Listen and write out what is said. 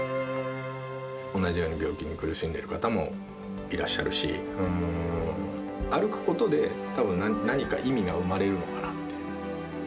同じように病気で苦しんでる方もいらっしゃるし、歩くことでたぶん、何か意味が生まれるのかなっていう。